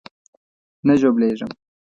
نه ژوبلېږم.